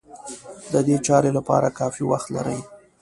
د دې چارې لپاره کافي وخت لري.